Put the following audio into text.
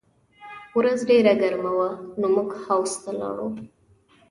ورځ ډېره ګرمه وه نو موږ حوض ته لاړو